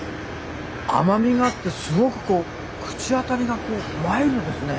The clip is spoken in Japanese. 甘みがあってすごくこう口当たりがマイルドですね。